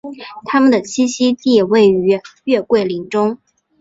它们的栖息地位于月桂林中。